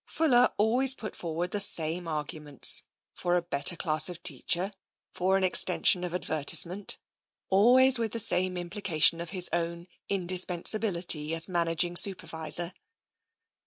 Fuller always put forward the same arguments : for a better class of teacher, for an extension of adver tisement, always with the same implication of his own indispensability as managing Supervisor.